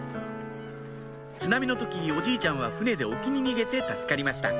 津波の時おじいちゃんは船で沖に逃げて助かりました